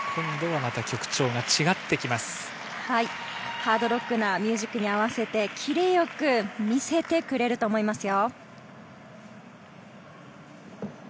ハードロックなミュージックに合わせてキレよく見せてくれると思いますよ。